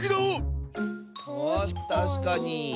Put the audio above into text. たしかに。